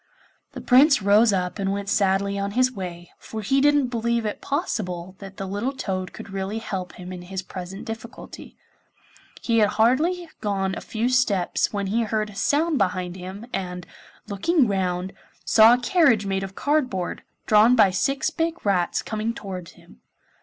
The Prince rose up and went sadly on his way, for he didn't believe it possible that the little toad could really help him in his present difficulty. He had hardly gone a few steps when he heard a sound behind him, and, looking round, he saw a carriage made of cardboard, drawn by six big rats, coming towards him.